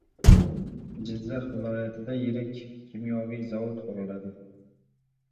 Jizzax viloyatida yirik kimyoviy zavod quriladi